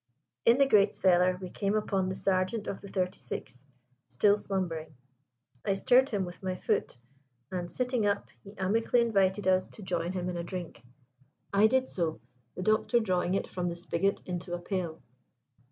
In the great cellar we came upon the sergeant of the 36th, still slumbering. I stirred him with my foot, and, sitting up, he amicably invited us to join him in a drink. I did so, the Doctor drawing it from the spigot into a pail.